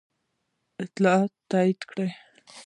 اطلاعاتو تایید کړه.